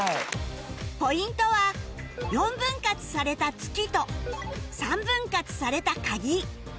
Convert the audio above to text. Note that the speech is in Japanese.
ポイントは４分割された月と３分割された鍵